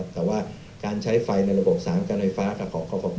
แต่ว่าการใช้ไฟในระบบสามการไฟฟ้ากับของครอบครอบครอบพอ